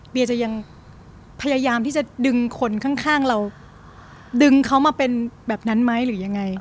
จะยังพยายามที่จะดึงคนข้างเราดึงเขามาเป็นแบบนั้นไหมหรือยังไง